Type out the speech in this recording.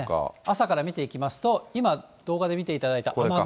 朝から見ていきますと、今、動画で見ていただいた雨雲。